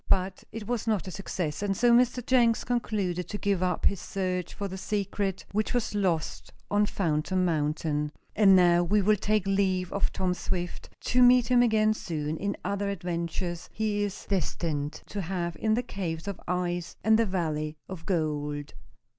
But it was not a success, and so Mr. Jenks concluded to give up his search for the secret which was lost on Phantom Mountain. And now we will take leave of Tom Swift, to meet him again soon in other adventures he is destined to have in the caves of ice and the valley of gold.